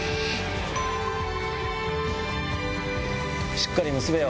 しっかり結べよ。